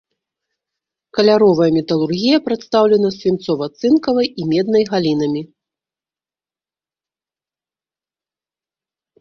Каляровая металургія прадстаўлена свінцова-цынкавай і меднай галінамі.